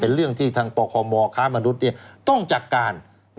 เรื่องที่ทางปคมค้ามนุษย์ต้องจัดการ